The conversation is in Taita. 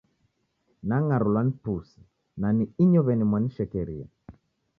Nang'arulwa ni pusi, na ni inyow'eni mwanishekeria.